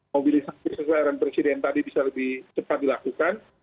mobilisasi sesuai arahan presiden tadi bisa lebih cepat dilakukan